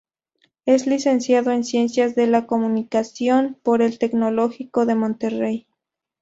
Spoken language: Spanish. Es licenciado en Ciencias de la Comunicación por el Tecnológico de Monterrey.